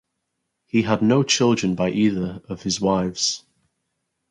He had no children by either of his wives.